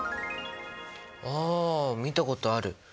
あ見たことある。